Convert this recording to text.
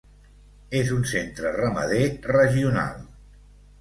És un centre ramader regional.